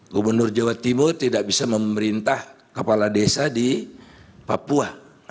gubernur jawa timur tidak bisa memerintah kepala desa di papua